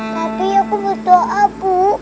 tapi aku berdoa ibu